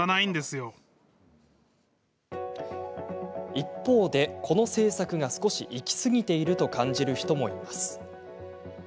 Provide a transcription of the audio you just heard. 一方で、この政策が少しいきすぎていると感じる人もいます。